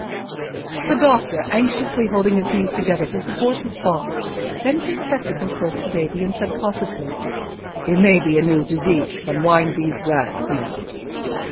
The doctor, anxiously holding his knees together to support his box, bent his spectacles towards the baby, and said cautiously, "It may be a new disease; unwind these rags, Monna!"